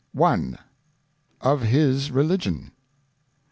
Of his Religion.